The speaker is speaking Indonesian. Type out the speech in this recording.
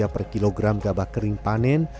per kilogram gabah kering panen